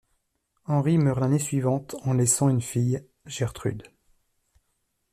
Henri meurt l'année suivante en laissant une fille, Gertrude.